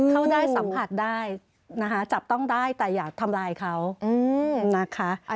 เขาได้สัมผัสได้นะคะจับต้องได้แต่อย่าทำลายเขานะคะ